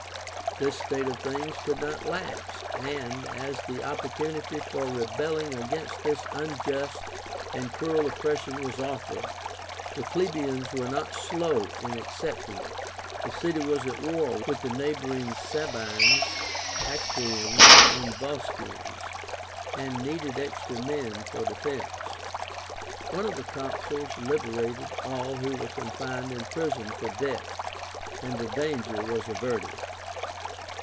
This state of things could not last, and, as the opportunity for rebelling against this unjust and cruel oppression was offered, the plebeians were not slow in accepting it. The city was at war with the neighboring Sabines, Aequians, and Volscians, and needed extra men for defence. One of the Consuls liberated all who were confined in prison for debt, and the danger was averted.